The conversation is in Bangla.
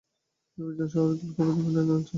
কেউ একজন শহরের দিকে উল্কাপিণ্ড টেনে আনছে?